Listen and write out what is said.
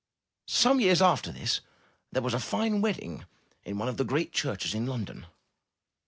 Some years after this, there was a fine wedding at one of the great churches in London.